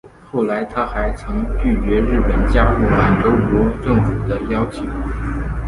后来他还曾拒绝日本人加入满洲国政府的邀请。